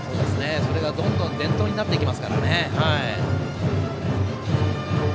それがどんどん伝統になっていきますからね。